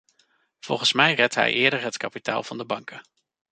Volgens mij redt hij eerder het kapitaal van de banken.